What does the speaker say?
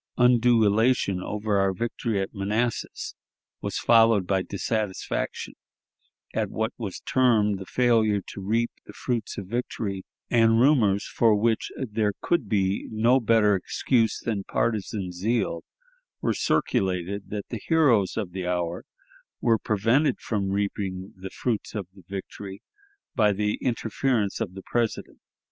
Undue elation over our victory at Manassas was followed by dissatisfaction at what was termed the failure to reap the fruits of victory; and rumors, for which there could be no better excuse than partisan zeal, were circulated that the heroes of the hour were prevented from reaping the fruits of the victory by the interference of the President.